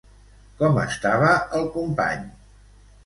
Com estava el company?